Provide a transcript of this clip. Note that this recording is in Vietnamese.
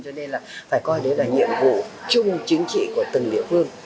cho nên là phải coi đấy là nhiệm vụ chung chính trị của từng địa phương